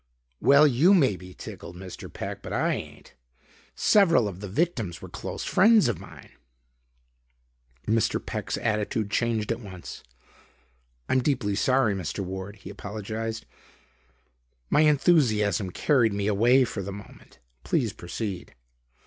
"Well, you may be tickled, Mr. Peck, but I ain't. Several of the victims were close friends of mine." Mr. Peck's attitude changed at once. "I'm deeply sorry, Mr. Ward," he apologized. "My enthusiasm carried me away for the moment. Please proceed."